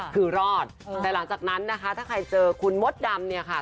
คือรอดแต่หลังจากนั้นนะคะถ้าใครเจอคุณมดดำเนี่ยค่ะ